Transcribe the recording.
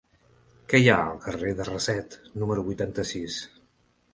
Què hi ha al carrer de Raset número vuitanta-sis?